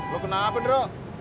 lu kenapa dero